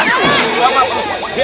bersama bapak bakia